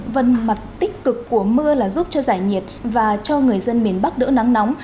vần mặt tích cực của mưa là giúp cho giải nhiệt và cho người dân miền bắc đỡ nắng nóng